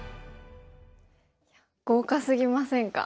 豪華すぎませんか？